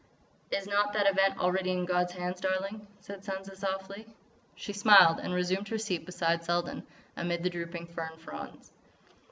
"Is not that event already in God's hands, darling?" said Sansa softly. She smiled and resumed her seat beside Selden, amid the drooping fern fronds.